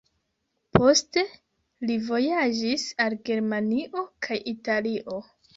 Poste li vojaĝis al Germanio kaj Italio.